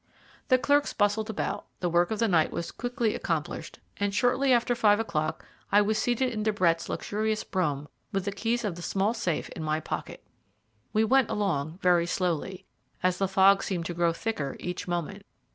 The clerks bustled about, the work of the night was quickly accomplished, and shortly after five o'clock I was seated in De Brett's luxurious brougham, with the keys of the small safe in my pocket. We went along very slowly, as the fog seemed to grow thicker each moment.